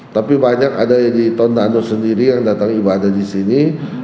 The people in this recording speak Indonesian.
tapi banyak ada di tondando sendiri yang datang ibadah di sini